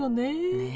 ねえ。